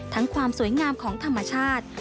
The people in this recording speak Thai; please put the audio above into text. ความสวยงามของธรรมชาติ